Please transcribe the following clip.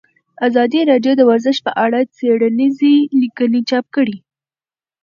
ازادي راډیو د ورزش په اړه څېړنیزې لیکنې چاپ کړي.